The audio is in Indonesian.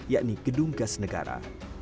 yakni gedung gas negara